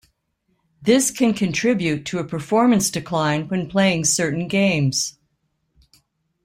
This can contribute to a performance decline when playing certain games.